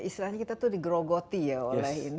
istilahnya kita itu digrogoti ya oleh ini